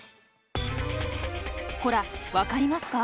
ほら分かりますか？